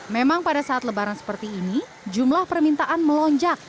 memang pada saat lebaran seperti ini jumlah permintaan melonjak